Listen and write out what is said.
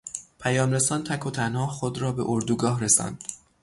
پیام رسان تک و تنها خود را به اردوگاه رساند.